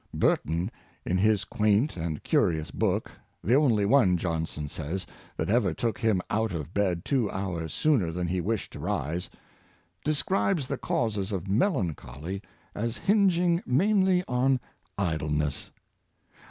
Burton, in his quaint and curious book — the only one, Johnson says, that ever took him out of bed two hours sooner than he wished to rise — describes the causes of Melancholy as hinging mainly on Idleness.